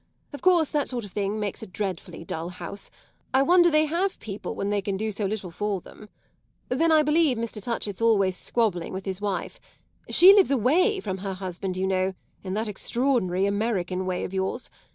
Of course that sort of thing makes a dreadfully dull house; I wonder they have people when they can do so little for them. Then I believe Mr. Touchett's always squabbling with his wife; she lives away from her husband, you know, in that extraordinary American way of yours.